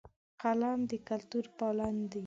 قلم د کلتور پالن دی